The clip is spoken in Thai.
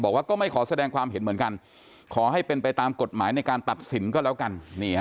บอกว่าก็ไม่ขอแสดงความเห็นเหมือนกันขอให้เป็นไปตามกฎหมายในการตัดสินก็แล้วกัน